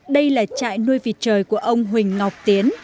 đây là trại nuôi vịt trời của ông huỳnh ngọc tiến